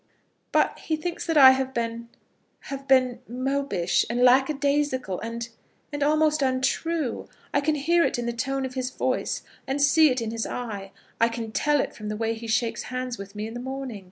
"But he thinks that I have been have been mopish, and lack a daisical, and and almost untrue. I can hear it in the tone of his voice, and see it in his eye. I can tell it from the way he shakes hands with me in the morning.